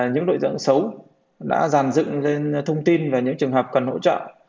những đội dưỡng xấu đã dàn dựng lên thông tin về những trường hợp cần hỗ trợ